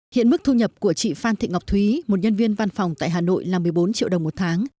hiện mức thu nhập của chị phan thị ngọc thúy một nhân viên văn phòng tại hà nội là một mươi bốn triệu đồng một tháng